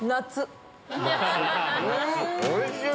おいしい！